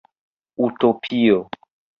Utopio